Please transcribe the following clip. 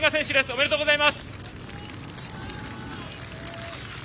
おめでとうございます。